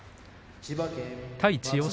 対千代翔